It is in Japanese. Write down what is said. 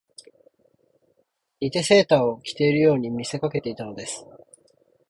以てセーターを着ているように見せかけていたのです